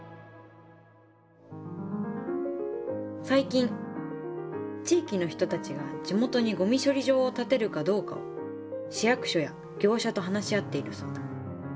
最近地域の人たちが地元にごみ処理場を建てるかどうかを市役所や業者と話し合っているそうだ。